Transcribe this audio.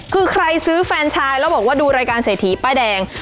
คือใครซื้อแฟนชายแล้วบอกว่าดูรายการเศรษฐีป้ายแดง